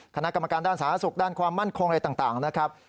คณะกรรมการด้านสาธารณสุขด้านความมั่นคงอะไรต่างนะครับ